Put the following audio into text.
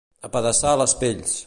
Apedaçar les pells.